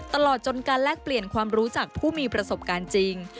ตลอดจนการแลกเปลี่ยนความรู้จักผู้มีประสบการณ์จริง